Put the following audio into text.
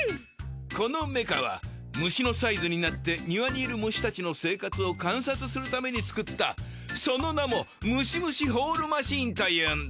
このメカは虫のサイズになって庭にいる虫たちの生活を観察するために作ったその名も『ムシムシ・ホールマシーン』というんだ。